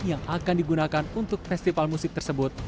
yang akan digunakan untuk festival musik tersebut